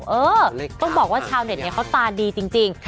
เออต้องบอกว่าชาวเน็ตเนี่ยเขาตาดีจริง